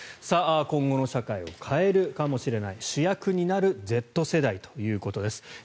今後の社会を変えるかもしれない主役になるＺ世代ということです。